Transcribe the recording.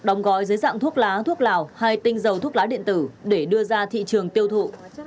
đóng gói dưới dạng thuốc lá thuốc lào hay tinh dầu thuốc lá điện tử để đưa ra thị trường tiêu thụ